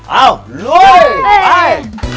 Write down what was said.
เอ้าลุยไป